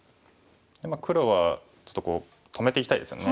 黒はちょっと止めていきたいですよね。